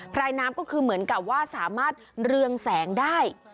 รายน้ำก็คือเหมือนกับว่าสามารถเรืองแสงได้